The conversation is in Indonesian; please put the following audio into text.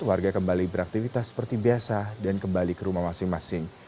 warga kembali beraktivitas seperti biasa dan kembali ke rumah masing masing